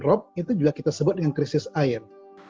dan itu juga kita sebut dengan krisis air